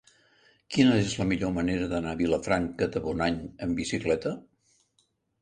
Quina és la millor manera d'anar a Vilafranca de Bonany amb bicicleta?